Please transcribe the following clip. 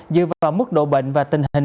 dựa vào mức độ bệnh và tình hình